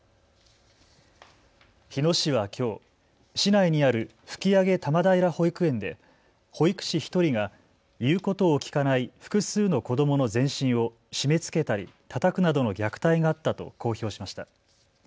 日野市はきょう、市内にある吹上多摩平保育園で保育士１人が言うことを聞かない複数の子どもの全身を締めつけたり、たたくなどの虐待があったと公表しました。